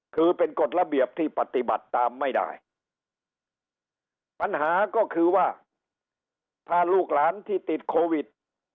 คือเป็นกฎระเบียบที่ปฏิบัติตามไม่ได้ปัญหาก็คือว่าถ้าลูกหลานที่ติดโควิด